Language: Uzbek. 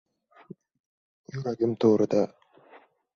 Yuragim to‘riga birovsiz, birov…